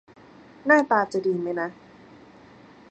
หน้าตาจะดีไหมนะ